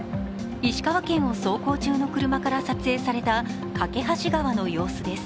石川県を走行中の車から撮影された梯川橋の様子です。